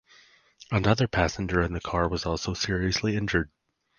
Another passenger in the car was also seriously injured.